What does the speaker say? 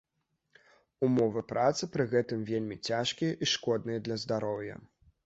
Умовы працы пры гэтым вельмі цяжкія і шкодныя для здароўя.